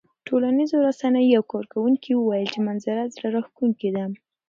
ټولنیزو رسنیو یو کاروونکي وویل چې منظره زړه راښکونکې ده.